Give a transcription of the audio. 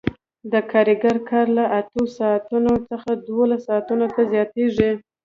د کارګر کار له اتو ساعتونو څخه دولسو ساعتونو ته زیاتېږي